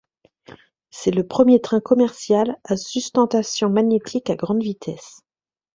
C’est le premier train commercial à sustentation magnétique à grande vitesse.